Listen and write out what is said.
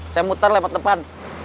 saya muter lewat depan